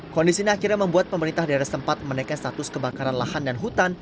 kondisi ini akhirnya membuat pemerintah daerah sempat menaikkan status kebakaran lahan dan hutan